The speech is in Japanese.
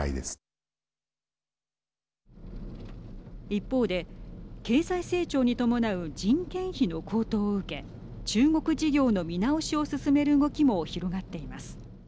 一方で、経済成長に伴う人件費の高騰を受け中国事業の見直しを進める動きも広がっています。